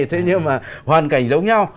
thế nhưng mà hoàn cảnh giống nhau